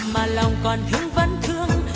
mà lòng còn thương vẫn thương